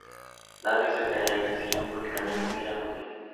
Nadie se atrevía a decir públicamente que era judío.